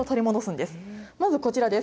まずこちらです。